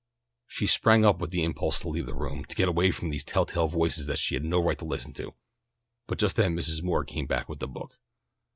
She sprang up with the impulse to leave the room, to get away from these telltale voices that she had no right to listen to. But just then Mrs. Moore came back with the book.